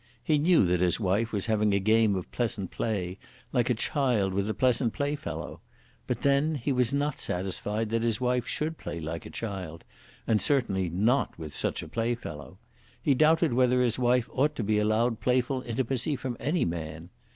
He knew that his wife was having a game of pleasant play, like a child with a pleasant play fellow. But then he was not satisfied that his wife should play like a child, and certainly not with such a playfellow. He doubted whether his wife ought to allow playful intimacy from any man.